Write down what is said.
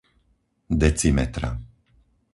decimetra